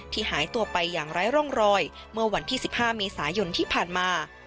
หายตัวไปอย่างไร้ร่องรอยเมื่อวันที่๑๕เมษายนที่ผ่านมา